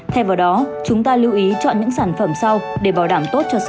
theo vào đó chúng ta lưu ý chọn những sản phẩm sau để bảo đảm tốt cho sức khỏe